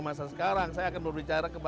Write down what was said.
masa sekarang saya akan berbicara